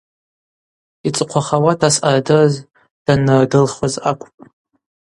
Йцӏыхъвахауата съардырыз даннардылхуаз акӏвпӏ.